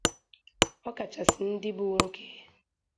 ọ kachasị ndị bụ nwoke